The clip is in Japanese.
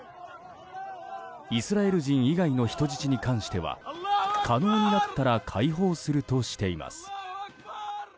イスラエル人以外の人質に関しては可能になったら解放するとしています。